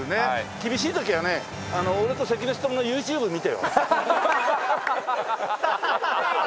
厳しい時はね俺と関根勤のＹｏｕＴｕｂｅ見てよ。